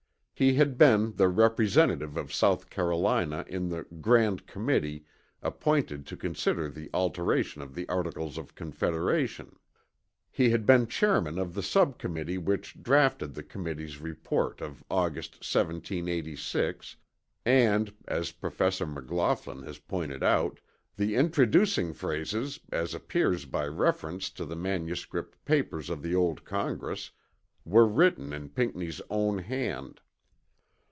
He had been the representative of South Carolina in the "grand committee" appointed to consider the alteration of the Articles of Confederation. He had been chairman of the subcommittee which draughted the committee's report of August, 1786; and (as Professor McLaughlin has pointed out) "the introducing phrases, as appears by reference to the manuscript papers of the old Congress, were written in Pinckney's own hand."